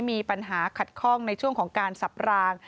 มีปัญหาขัดข้องในช่วงของการสับราง